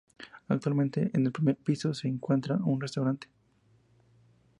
Actualmente en el primer piso se encuentra un restaurante.